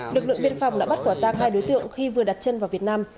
lực lượng biên phòng đã bắt quả tang hai đối tượng khi vừa đặt chân vào việt nam